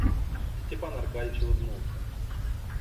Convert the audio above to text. Степан Аркадьич улыбнулся.